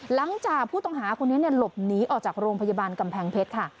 หลังจากผู้ต้องหาคนนี้หลบหนีออกจากโรงพยาบาลกำแพงเพชรค่ะ